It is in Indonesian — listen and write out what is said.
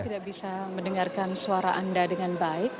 tidak bisa mendengarkan suara anda dengan baik